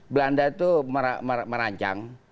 belanda itu merancang